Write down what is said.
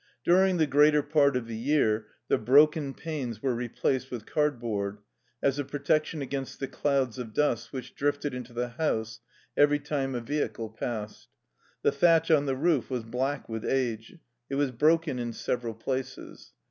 During the greater part of the year the broken panes were replaced with cardboard, as a protection against the clouds of dust which drifted into the house every time a vehicle passed. The thatch on the roof was black with age. It was broken in sev eral places.